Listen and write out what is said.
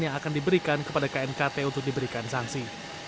yang akan diberikan kepada knkt untuk diberikan sanksi